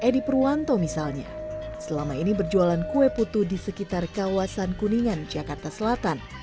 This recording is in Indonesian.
edi purwanto misalnya selama ini berjualan kue putu di sekitar kawasan kuningan jakarta selatan